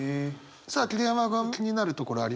さあ桐山君気になるところあります？